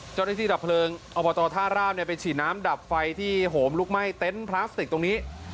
ดับเพลิงอบตท่าราบไปฉีดน้ำดับไฟที่โหมลุกไหม้เต็นต์พลาสติกตรงนี้